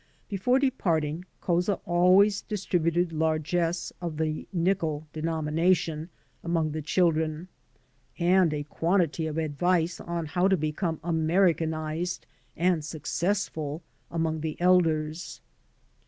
Before departing, Couza always distributed largess of the nickel denomination among the children, and a quantity of advice on how to become Americanized and successful among the elders.